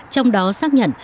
trong đó xác nhận